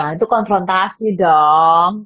nah itu konfrontasi dong